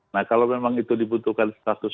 nah kalau memang itu dibutuhkan status